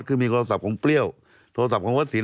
คือมีโทรศัพท์ของเปรี้ยวโทรศัพท์ของวัดสิน